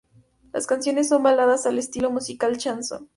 Las canciones son baladas al estilo musical chanson.